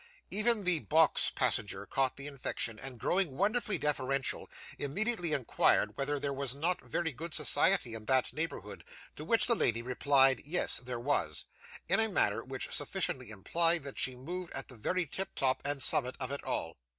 Even the box passenger caught the infection, and growing wonderfully deferential, immediately inquired whether there was not very good society in that neighbourhood, to which the lady replied yes, there was: in a manner which sufficiently implied that she moved at the very tiptop and summit of it all.